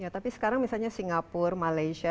tapi sekarang misalnya singapura malaysia